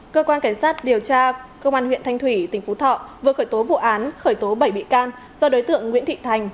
cơ quan cảnh sát điều tra công an huyện thanh thủy tỉnh phú thọ vừa khởi tố vụ án khởi tố bảy bị can do đối tượng nguyễn thị thành